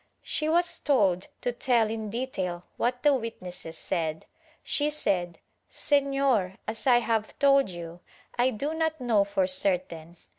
She was told to tell in detail what the witnesses said. She said "Sefior, as I have told you, I do not know for certain.